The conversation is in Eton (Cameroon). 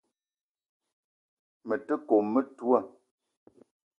Me te kome metoua